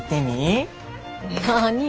何？